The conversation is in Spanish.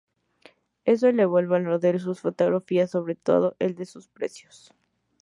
Eso elevó el valor de sus fotografías, sobre todo el de sus precios.